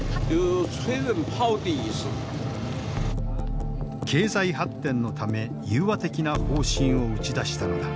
経済発展のため融和的な方針を打ち出したのだ。